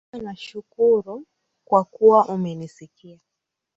Baba nakushukuru kwa kuwa umenisikia